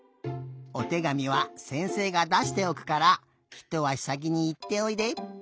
おてがみはせんせいがだしておくからひとあしさきにいっておいで！